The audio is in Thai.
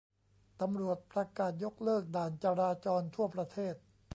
ตำรวจประกาศยกเลิกด่านจราจรทั่วประเทศ